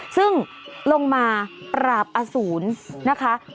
ซึ่งลงมาปราบอสูรนะคะ